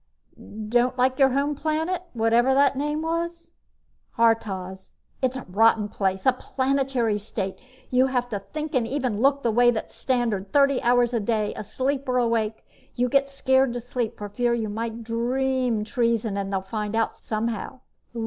"Don't like your home planet, whatever the name was?" "Haurtoz. It's a rotten place. A Planetary State! You have to think and even look the way that's standard thirty hours a day, asleep or awake. You get scared to sleep for fear you might dream treason and they'd find out somehow."